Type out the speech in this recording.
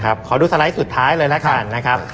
นะครับขอดูสไลด์สุดท้ายเลยล่ะค่ะ